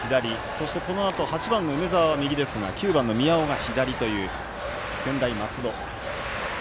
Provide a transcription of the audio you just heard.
そして、このあと８番の梅澤は右ですが９番の宮尾が左という専大松戸。